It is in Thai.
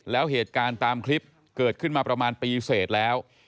แล้วเหตุการณ์ตามคลิปเกิดขึ้นมาประมาณปีเสร็จแล้ว